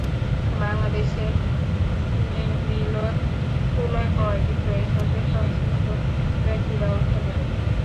বাংলাদেশের স্পিনিং মিলও তুলা ক্রয় বিক্রয়ের সঙ্গে সংশ্লিষ্ট ব্যক্তিরা অংশ নেবেন।